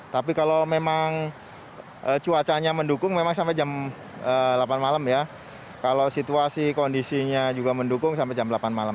tapi kalau memang cuacanya mendukung memang sampai jam delapan malam ya kalau situasi kondisinya juga mendukung sampai jam delapan malam